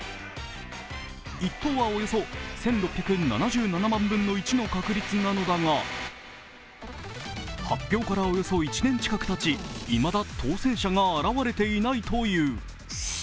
１等はおよそ１６７７万分の１の確率なのだが発表からおよそ１年近くたち、いまだ当選者が現れていないという。